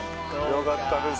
よかったです。